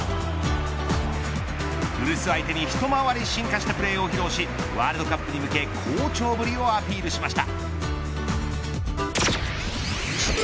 古巣相手に一回り進化したプレーを披露しワールドカップに向け好調ぶりをアピールしました。